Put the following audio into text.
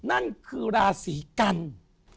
นั่นคือราศีกัน